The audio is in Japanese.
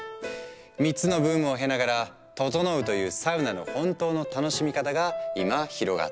３つのブームを経ながら「ととのう」というサウナの本当の楽しみ方が今広がっている。